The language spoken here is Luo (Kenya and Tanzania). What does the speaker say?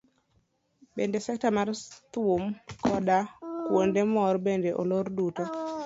Bende sekta mar thum akoda kuonde mor bende olor duto.